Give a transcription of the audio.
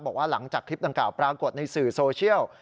บอกว่าหลังจากคลิปดังกล่าวปรากฏในสื่อโซเชียล